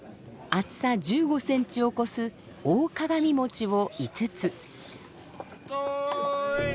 厚さ１５センチを超す大鏡餅を５つ。